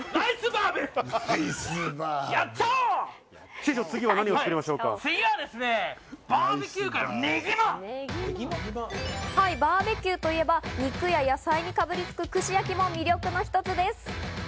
バーベキューと言えば、肉や野菜にかぶりつく串焼きも魅力の一つです。